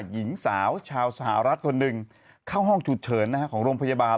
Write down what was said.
หญิงสาวชาวสหรัฐคนหนึ่งเข้าห้องฉุกเฉินของโรงพยาบาล